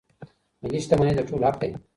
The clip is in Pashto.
ملي شتمنۍ د ټولو حق دی.